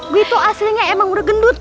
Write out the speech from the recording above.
gue itu aslinya emang udah gendut